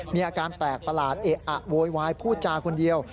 มีอาการแปลกประหลาดเอะอะโวยวายพูดจาคนเดียว